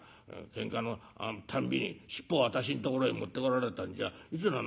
けんかのたんびに尻尾を私んところへ持ってこられたんじゃいくら